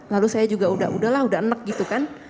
lalu saya juga sudah enak gitu kan